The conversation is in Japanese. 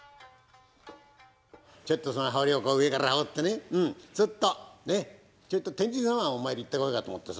ちょっとさ、羽織を上から羽織ってね、ちょっと、ちょっと天神様、お参り行ってこようかと思ってさ。